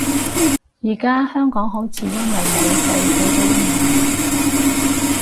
而家香港好似因為武肺死咗一萬人